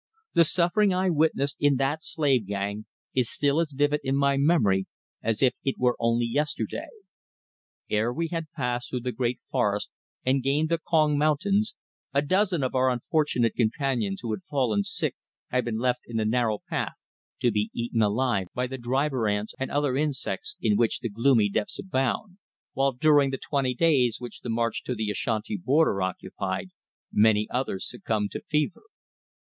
The suffering I witnessed in that slave gang is still as vivid in my memory as if it were only yesterday. Ere we had passed through the great forest and gained the Kong mountains, a dozen of our unfortunate companions who had fallen sick had been left in the narrow path to be eaten alive by the driver ants and other insects in which the gloomy depths abound, while during the twenty days which the march to the Ashanti border occupied many others succumbed to fever.